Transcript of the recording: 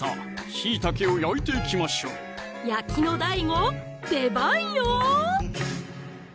しいたけを焼いていきましょう焼きのＤＡＩＧＯ出番よ！